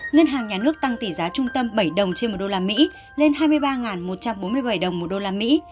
ngân hàng nhà nước tăng tỷ giá trung tâm bảy đồng trên một đô la mỹ lên hai mươi ba một trăm bốn mươi bảy đồng một đô la mỹ